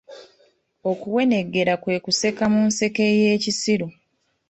Okuweneggera kwe kuseka mu nseka eye kisiru.